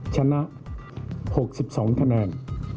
ชนะ๖๒คะแนน